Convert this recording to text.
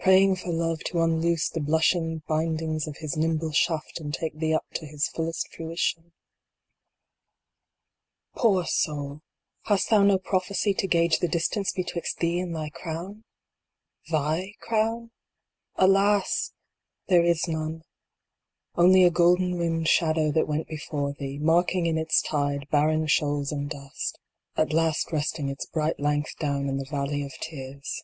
Praying for Love to unloose the blushing bindings of his nimble shaft and take thee up to his fullest fruition I Poor Soul ! hast thou no prophecy to gauge the distance betwixt thee and thy crown ? TTiy crown ? Alas ! there is none. Only a golden rimmed shadow that went before thee, marking in its tide barren shoals and dust. At last resting its bright length down in the valley of tears.